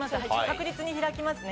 確実に開きますね。